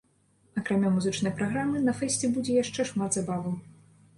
Акрамя музычнай праграмы на фэсце будзе яшчэ шмат забаваў.